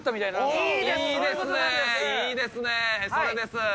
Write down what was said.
いいですね、それです。